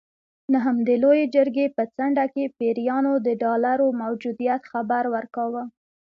نه هم د لویې جرګې په څنډه کې پیریانو د ډالرو موجودیت خبر ورکاوه.